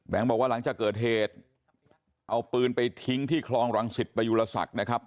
บอกว่าหลังจากเกิดเหตุเอาปืนไปทิ้งที่คลองรังสิตประยุลศักดิ์นะครับ